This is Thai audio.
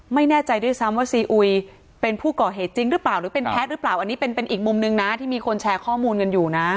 ไม่แน่ใจด้วยซ้ำว่าซีอุยเป็นผู้ก่อเหตุจริงหรือเปล่าหรือเป็นแพทย์หรือเปล่าอันนี้เป็นอีกมุมนึงนะที่มีคนแชร์ข้อมูลกันอยู่นะ